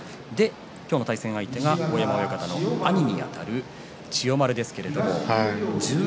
今日の対戦相手大山さんの兄にあたる千代丸です。